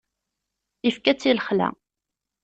Ifka-tt i lexla.